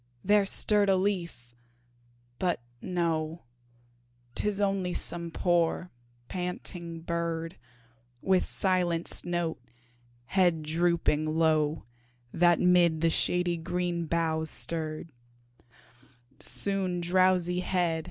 there stirred a leaf, but no, Tis only some poor, panting bird, With silenced note, head drooping low, That 'mid the shady green boughs stirred.